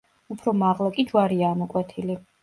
უფრო მაღლა კი ჯვარია ამოკვეთილი.